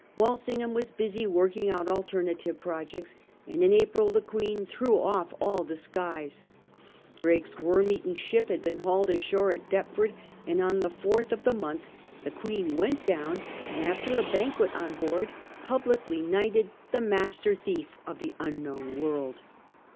Wialsingham was busy working out alternative projects, and in April the Queen threw off all disguise. Drake's worm eaten ship had been hauled ashore at Deptford, and on the 4th of the month the Queen went down, and after a banquet on board publicly knighted the " master thief of the unknown world."